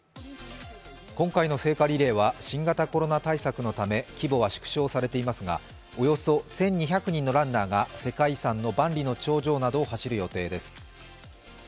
今回の聖火リレーは新型コロナ対策のため規模は縮小されていますが、およそ１２００人のランナーが世界遺産の万里の長城などを走る予定です。